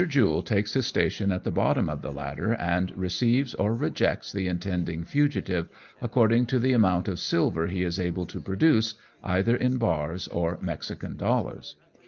Jule takes his station at the bottom of the ladder and receives or rejects the intending fugitive, accord ing to the amount of silver he is able to produce, either in bars or Mexican dollars.